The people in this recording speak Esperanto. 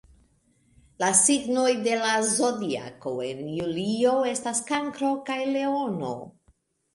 La signoj de la Zodiako en julio estas Kankro kaj Leono.